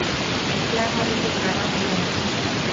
Este ano a ruta durará un día máis.